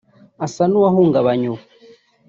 usa n’uwahungabanye ubu